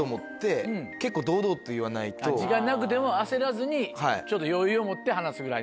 時間なくても焦らずにちょっと余裕を持って話すぐらいの感じで。